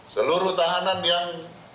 seluruh tahanan yang